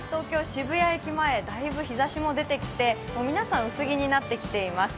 渋谷駅前だいぶ日ざしも出てきて皆さん、薄着になってきています。